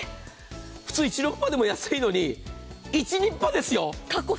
普通１６８でも安いのに、１２８ですよ。